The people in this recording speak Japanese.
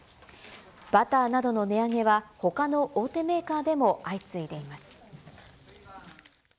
バターなどの値上げは、ほかの大手メーカーでも相次いでいます。